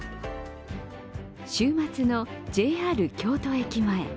週末のＪＲ京都駅前。